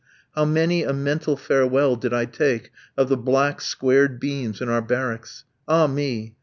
How many a mental farewell did I take of the black, squared beams in our barracks! Ah, me!